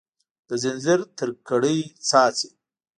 د ځنځیر تر کړۍ څاڅي